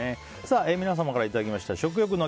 皆様からいただいた、食欲の秋！